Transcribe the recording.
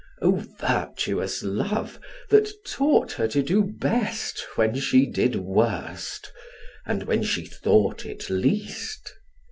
O virtuous love, that taught her to do best When she did worst, and when she thought it least!